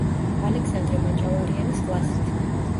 ალექსანდრე მაჭავარიანის კლასით.